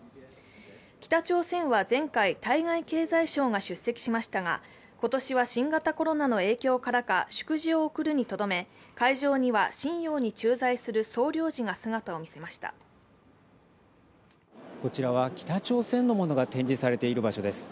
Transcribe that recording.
北朝鮮は前回、対外経済相が出席しましたが、今年は新型コロナの影響からか祝辞を送るにとどめ会場には瀋陽に駐在するこちらは北朝鮮のものが展示されている場所です。